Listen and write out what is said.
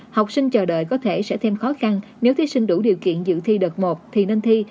học sinh chờ đợi có thể sẽ thêm khó khăn nếu thí sinh đủ điều kiện dự thi đợt một thì nên thi